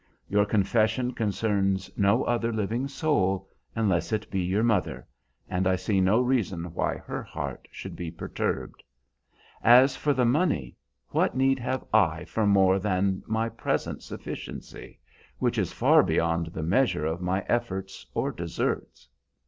Your confession concerns no other living soul, unless it be your mother, and I see no reason why her heart should be perturbed. As for the money, what need have I for more than my present sufficiency, which is far beyond the measure of my efforts or deserts?